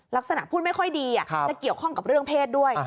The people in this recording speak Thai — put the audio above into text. ลักษณะพูดไม่ค่อยดีจะเกี่ยวข้องกับเรื่องเพศด้วย